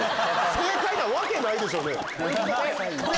正解なわけないでしょ！